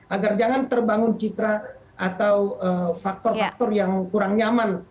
agar jangan terbangun citra atau faktor faktor yang kurang nyaman